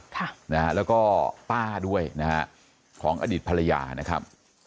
ค่ะนะฮะแล้วก็ป้าด้วยนะฮะของอดีตภรรยานะครับ